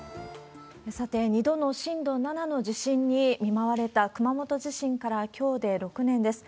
さて、２度の震度７の地震に見舞われた熊本地震からきょうで６年です。